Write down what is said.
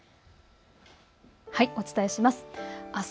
お伝えします。